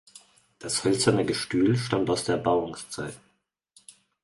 Das hölzerne Gestühl stammt aus der Erbauungszeit.